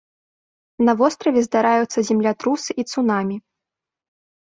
На востраве здараюцца землятрусы і цунамі.